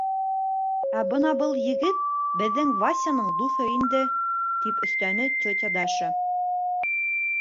Э бына был егет беҙҙең Васяның дуҫы инде, — тип өҫтәне тетя Даша.